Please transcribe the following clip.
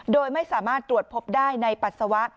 โดยไม่สามารถตรวจพบได้ในปัสสาวะ